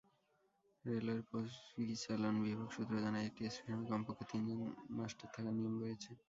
রেলওয়ের পরিচালন বিভাগ সূত্র জানায়, একটি স্টেশনে কমপক্ষে তিনজন মাস্টার থাকার নিয়ম রয়েছে।